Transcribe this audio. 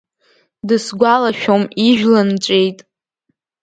Дысгәалашәом ижәла нҵәеит!